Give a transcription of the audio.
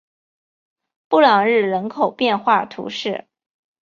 布朗日人口变化图示